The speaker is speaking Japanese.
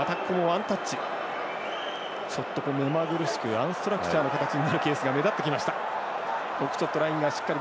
アンストラクチャーの形になるケースが目立ってきました。